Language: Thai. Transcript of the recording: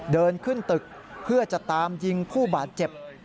เดินขึ้นตึกเพื่อจะตามยิงผู้บาดเจ็บ